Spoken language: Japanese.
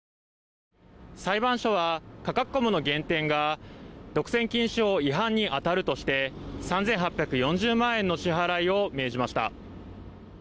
裁判所はカカクコムの減点が独占禁止法違反に当たるとして３８４０万円の支払いを命じました。